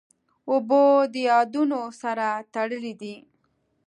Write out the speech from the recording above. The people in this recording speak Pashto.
اوبه د یادونو سره تړلې دي.